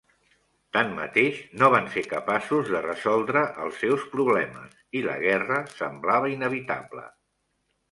Tanmateix, no van ser capaços de resoldre els seus problemes i la guerra semblava inevitable.